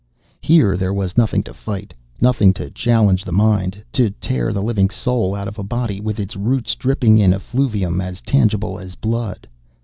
Here there was nothing to fight, nothing to challenge the mind, to tear the living soul out of a body with its roots dripping in effluvium as tangible as blood.